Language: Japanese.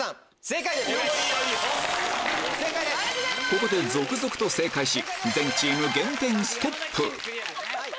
ここで続々と正解し全チーム減点ストップ